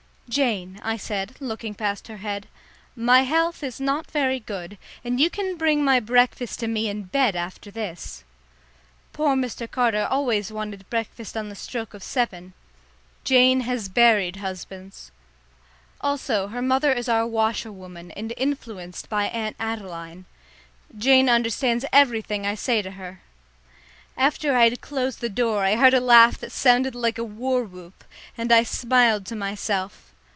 "Jane," I said, looking past her head, "my health is not very good, and you can bring my breakfast to me in bed after this." Poor Mr. Carter always wanted breakfast on the stroke of seven. Jane has buried husbands. Also her mother is our washerwoman, and influenced by Aunt Adeline. Jane understands everything I say to her. After I had closed the door I heard a laugh that sounded like a war whoop, and I smiled to myself.